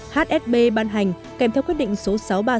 hsb ban hành kèm theo quyết định số sáu mươi ba